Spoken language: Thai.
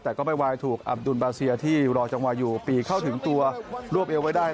แต่ก็ไม่วายถูกอับดุลบาเซียที่รอจังหวะอยู่ปีเข้าถึงตัวรวบเอวไว้ได้